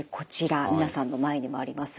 皆さんの前にもありますが。